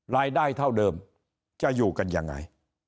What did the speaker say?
รายได้เท่าเดิมจะอยู่กันยังไง